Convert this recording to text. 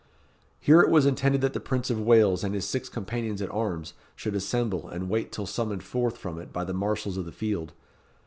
Here it was intended that the Prince of Wales and his six companions at arms should assemble, and wait till summoned forth from it by the marshals of the field.